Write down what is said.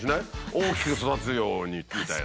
大きく育つようにみたいな。